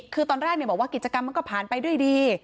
คือตอนแรกบอกว่ากิจกรรมมันก็ผ่านไปด้วยดี